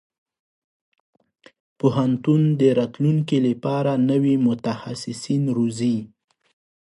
پوهنتون د راتلونکي لپاره نوي متخصصين روزي.